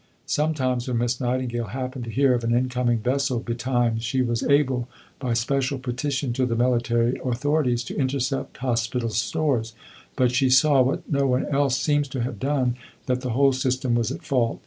Sometimes when Miss Nightingale happened to hear of an incoming vessel betimes, she was able, by special petition to the military authorities, to intercept hospital stores; but she saw (what no one else seems to have done) that the whole system was at fault.